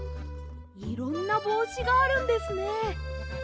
いろんなぼうしがあるんですね！